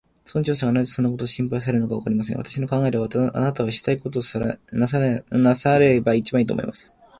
村長さんがなぜそんなことを心配されるのか、わかりません。私の考えでは、あなたはしたいことをなさればいちばんいい、と思います。